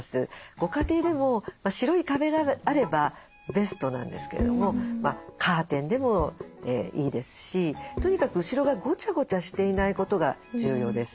ご家庭でも白い壁があればベストなんですけれどもカーテンでもいいですしとにかく後ろがごちゃごちゃしていないことが重要です。